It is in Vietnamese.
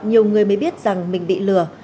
nhiều người mới biết rằng mình bị lừa